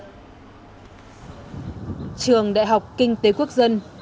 trường đại học kinh tế quốc dân